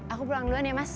aku pulang duluan ya mas